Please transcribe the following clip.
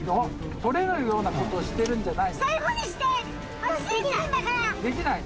取れるようなことをしてるんじゃあない。